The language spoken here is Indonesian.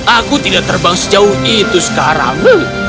aku tidak terbang sejauh itu sekarang